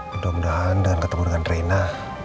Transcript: mudah mudahan dengan ketemu dengan reina